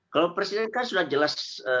kalau presiden kan sudah jelas